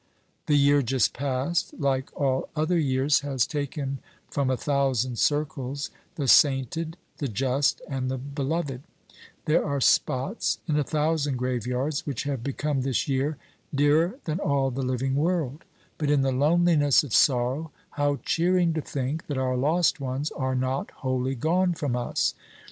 The year just past, like all other years, has taken from a thousand circles the sainted, the just, and the beloved; there are spots in a thousand graveyards which have become this year dearer than all the living world; but in the loneliness of sorrow how cheering to think that our lost ones are not wholly gone from us!